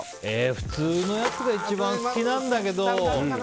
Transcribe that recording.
普通のやつが一番好きなんだけど。